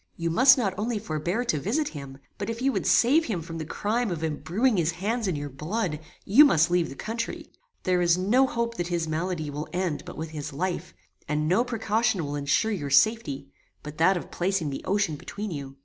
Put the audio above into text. You must not only forbear to visit him, but if you would save him from the crime of embruing his hands in your blood, you must leave the country. There is no hope that his malady will end but with his life, and no precaution will ensure your safety, but that of placing the ocean between you.